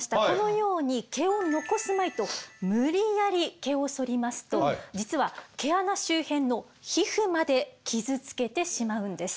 このように毛を残すまいと無理やり毛をそりますと実は毛穴周辺の皮膚まで傷つけてしまうんです。